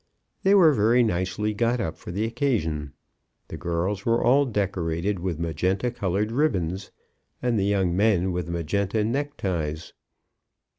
They were very nicely got up for the occasion. The girls were all decorated with magenta coloured ribbons, and the young men with magenta neckties.